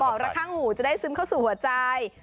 ระข้างหูจะได้ซึมเข้าสู่หัวใจ